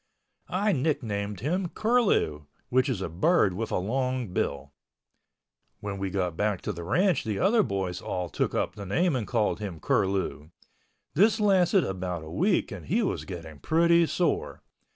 I nicknamed him "Curlew," which is a bird with a long bill. When we got back to the ranch the other boys all took up the name and called him Curlew. This lasted about a week and he was getting pretty sore.